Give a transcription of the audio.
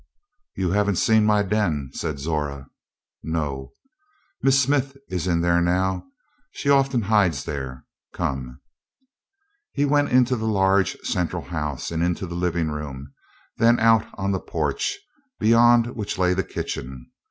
"You haven't seen my den," said Zora. "No." "Miss Smith is in there now; she often hides there. Come." He went into the large central house and into the living room, then out on the porch, beyond which lay the kitchen.